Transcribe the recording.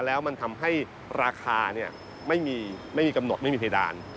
แล้วมันทำให้ราคาไม่มีกำหนดไม่มีเพดาน